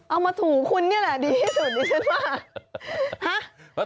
เอามาถูคุณเนี่ยแหละดีที่สุดดีขึ้นมากฮะ